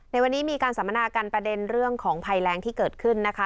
ในวันนี้มีการสัมมนากันประเด็นเรื่องของภัยแรงที่เกิดขึ้นนะคะ